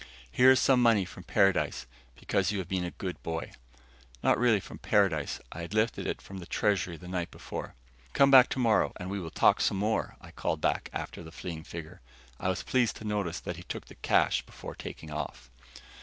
"Here is some money from paradise, because you have been a good boy." Not really from paradise I had lifted it from the treasury the night before. "Come back tomorrow and we will talk some more," I called after the fleeing figure. I was pleased to notice that he took the cash before taking off.